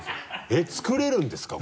えっ作れるんですか？